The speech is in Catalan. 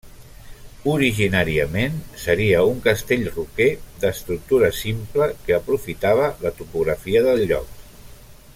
Originàriament, seria un castell roquer d'estructura simple, que aprofitava la topografia del lloc.